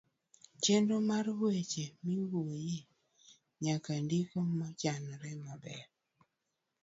chenro mar weche miwuoyoe nyaka ndik mochanore maber.